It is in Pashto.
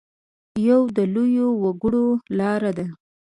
یوه د لویو وګړو لاره ده.